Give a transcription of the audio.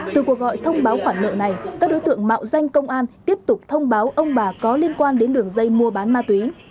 từ cuộc gọi thông báo khoản nợ này các đối tượng mạo danh công an tiếp tục thông báo ông bà có liên quan đến đường dây mua bán ma túy